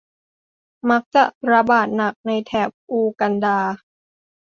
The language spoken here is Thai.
มักจะระบาดหนักในแถบอูกันดา